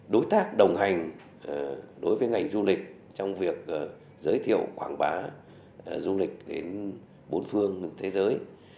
đối tác đồng hành đối với ngành du lịch trong việc giới thiệu quảng bá du lịch đến bốn phương thế giới